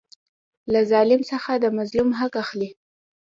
له ظالم څخه د مظلوم حق اخلي.